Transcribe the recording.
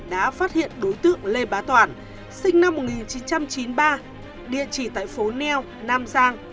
đã phát hiện đối tượng lê bá toàn sinh năm một nghìn chín trăm chín mươi ba địa chỉ tại phố neo nam giang